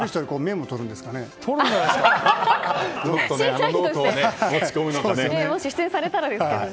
もし出演されたらですけどね。